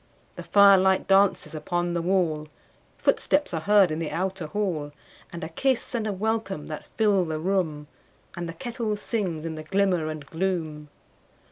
The firelight dances upon the wall, Footsteps are heard in the outer hall, And a kiss and a welcome that fill the room, And the kettle sings in the glimmer and gloom.